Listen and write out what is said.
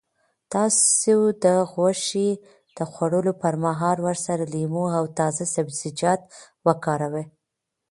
تاسو د غوښې د خوړلو پر مهال ورسره لیمو او تازه سبزیجات وکاروئ.